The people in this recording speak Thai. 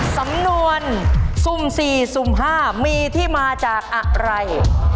สำนวนสุ่ม๔สุ่ม๕มีที่มาจากอะไร